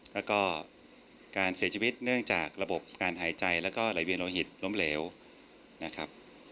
แล้วก็การเสียชีวิตเนื่องจากระบบการหายใจแล้วก็ระเบียงโลหิตล้มเหลวนะครับ